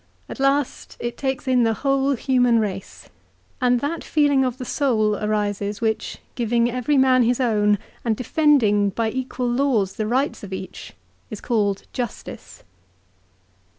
At last it takes in the whole human race, and that feeling of the soul arises which, giving every man his own, and defending by equal laws the rights of each, is called justice."